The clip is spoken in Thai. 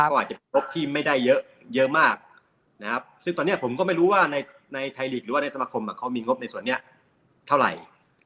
ก็อาจจะมีงบที่ไม่ได้เยอะมากซึ่งตอนนี้ผมก็ไม่รู้ว่าในไทรกษ์หรือในสมัครคมเขามีงบในส่วนนี้เท่าไหร่